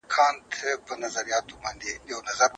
د جرګي په تالار کي به د هیواد د رښتیني مشرانو حضور و.